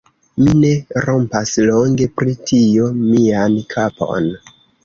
Mi ne rompas longe pri tio mian kapon.